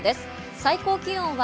最高気温は